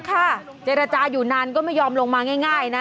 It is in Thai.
เจรจาอยู่นานก็ไม่ยอมลงมาง่ายนะ